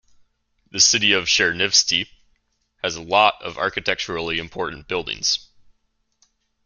The city of Chernivtsi has a lot of architecturally important buildings.